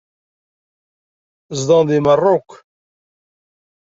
Zedɣen deg Meṛṛuk.